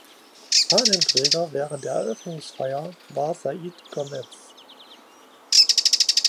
Fahnenträger während der Eröffnungsfeier war Said Gomez.